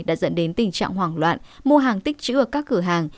đã dẫn đến tình trạng hoảng loạn mua hàng tích chữ ở các cửa hàng